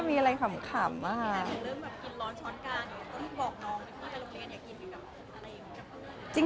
แล้วที่บอกน้องให้ลูกเรียนอยากกินอยู่กับอะไรอย่างนี้